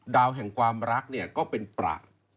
แห่งความรักเนี่ยก็เป็นประ